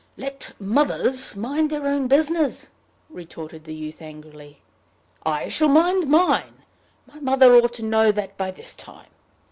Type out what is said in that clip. "Let mothers mind their own business!" retorted the youth angrily. "I shall mind mine. My mother ought to know that by this time."